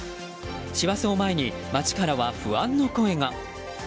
師走を前に街からは不安の声が。